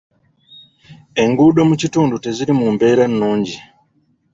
Enguudo mu kitundu teziri mu mbeera nnungi.